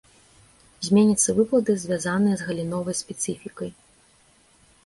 Зменяцца выплаты, звязаныя з галіновай спецыфікай.